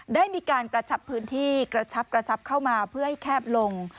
ได้มีการกระชับพื้นที่กระชับกระชับเข้ามาเพื่อให้แคบลง